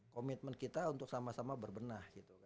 komitmen kita untuk sama sama berbenah